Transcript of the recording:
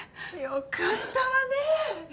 良かったわね。